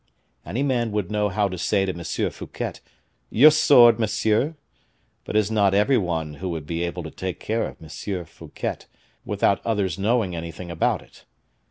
Any man would know how to say to M. Fouquet, 'Your sword, monsieur.' But it is not every one who would be able to take care of M. Fouquet without others knowing anything about it.